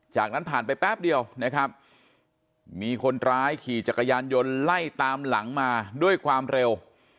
จากนั้นผ่านไปแป๊บเดียวนะครับมีคนร้ายขี่จักรยานยนต์ไล่ตามหลังมาด้วยความเร็ว